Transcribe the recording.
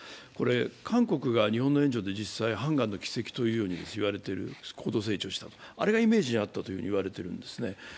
韓国が日本の援助で実際、ハンガンの奇跡と言われている高度成長した、あれがイメージにあったと言われているんです。